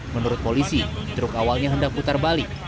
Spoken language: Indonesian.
menurut polisi truk awalnya hendak putar balik